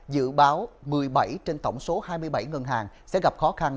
dự báo một mươi bảy trên tổng số hai mươi bảy ngân hàng sẽ gặp khó khăn